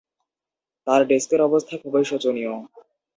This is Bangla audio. তার ডেস্কের অবস্থা খুবই শোচনীয়।